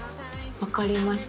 分かりました。